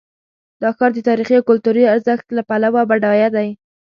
دا ښار د تاریخي او کلتوري ارزښت له پلوه بډایه دی.